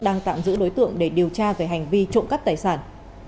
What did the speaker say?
đang tạm giữ đối tượng để điều tra về hành vi trộn cắt tài sản